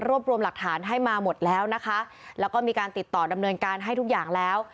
รวมรวมหลักฐานให้มาหมดแล้วนะคะแล้วก็มีการติดต่อดำเนินการให้ทุกอย่างแล้ว